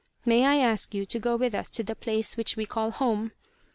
May I ask you to go with us to the place which we call home?"